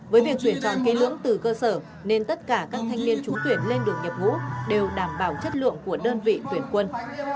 với việc tuyển chọn kỹ lưỡng từ cơ sở nên tất cả các thanh niên trú tuyển lên đường nhập ngũ đều đảm bảo chất lượng của đơn vị tuyển quân